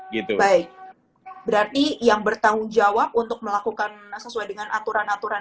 baik berarti yang bertanggung jawab untuk melakukan sesuai dengan aturan aturan